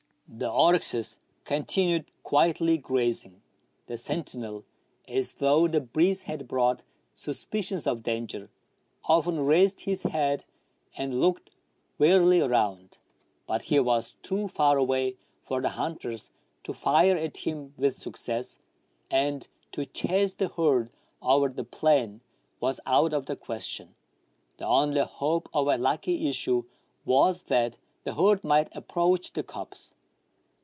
The or}^xes continued quietly grazing. The sentinel, as though the breeze had brought suspicions of danger, often raised his head, and looked warily around. But he was too far away for the hunters to fire at him with success, and to chase the herd over the plain was out of the ques tion. The only hope of a lucky issue was that the herd might approach the copse.